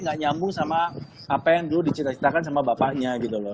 gak nyambung sama apa yang dulu dicita citakan sama bapaknya gitu loh